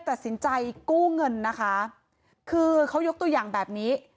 ตัดสินใจกู้เงินนะคะคือเขายกตัวอย่างแบบนี้